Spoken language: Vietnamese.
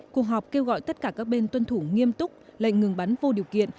cuộc họp kêu gọi tất cả các bên tuân thủ nghiêm túc lệnh ngừng bắn vô điều kiện